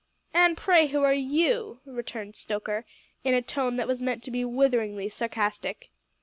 "An' pray who are you?" returned Stoker, in a tone that was meant to be witheringly sarcastic.